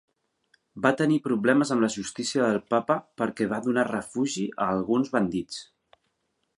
Va tenir problemes amb la justícia del Papa perquè va donar refugi a alguns bandits.